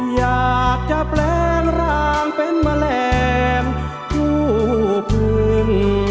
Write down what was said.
อยากจะแปลงร่างเป็นแมลงผู้พื้น